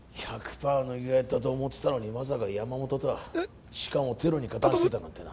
パー乃木がやったと思ってたのにまさか山本とはうっ頼むしかもテロに加担してたなんてな